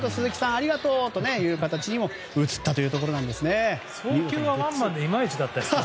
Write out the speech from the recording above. ありがとうという形にも映ったところですね。